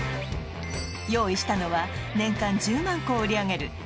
用意したのは年間１０万個を売り上げる